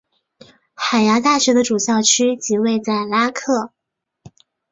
海牙大学的主校区即位在拉克。